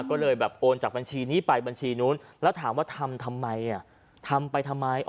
ก็เลยแบบโอนจากบัญชีนี้ไปบัญชีนู้นแล้วถามว่าทำทำไมทำไปทำไม